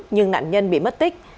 nhưng nạn nhân bị mất tích